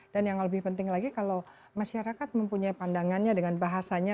dan yang lebih penting lagi kalau masyarakat mempunyai pandangannya dengan bahasa